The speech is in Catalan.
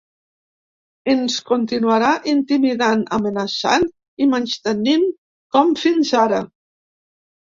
Ens continuarà intimidant, amenaçant i menystenint com fins ara.